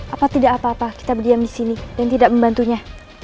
apa tidak apa apa kita berdiam di sini dan tidak membantunya